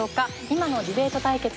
今のディベート対決